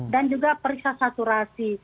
dan juga periksa saturasi